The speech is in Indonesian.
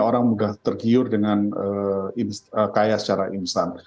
orang mudah tergiur dengan kaya secara instan